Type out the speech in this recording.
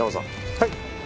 はい。